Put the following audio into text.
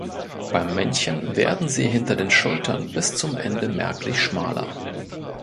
Beim Männchen werden sie hinter den Schultern bis zum Ende merklich schmaler.